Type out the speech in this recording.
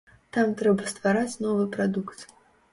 Там трэба ствараць новы прадукт.